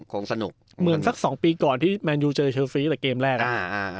คงสนุกเหมือนสักสองปีก่อนที่แมนยูเจอเชลฟีตั้งแต่เกมแรก